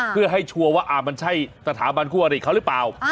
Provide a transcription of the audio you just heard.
เพื่อให้ชัวร์ว่ามันใช่สถาบันคู่อริเขาหรือเปล่า